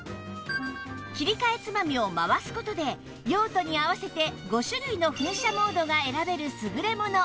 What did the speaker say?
切り替えつまみを回す事で用途に合わせて５種類の噴射モードが選べる優れもの